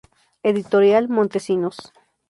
Editorial Montesinos.